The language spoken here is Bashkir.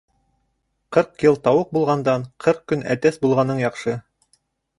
Ҡырҡ йыл тауыҡ булғандан ҡырҡ көн әтәс булғаның яҡшы.